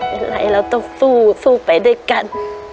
อะไรเราต้องสู้สู้ไปด้วยกัน